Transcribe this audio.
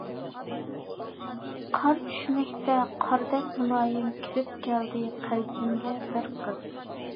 قار چۈشمەكتە، قاردەك مۇلايىم كىرىپ كەلدى قەلبىمگە بىر قىز.